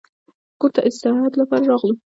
کور ته د استراحت لپاره راغلو.